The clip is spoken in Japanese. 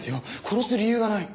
殺す理由がない。